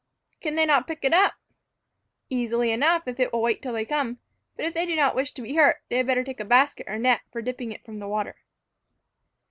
"Can they not pick it up?" "Easily enough, if it will wait till they come. But if they do not wish to be hurt, they had better take a basket or net for dipping it from the water."